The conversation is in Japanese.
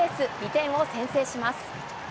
２点を先制します。